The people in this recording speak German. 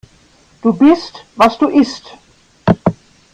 Du bist, was du isst.